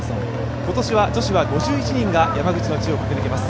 今年は女子は５１人が山口の地を駆け抜けます。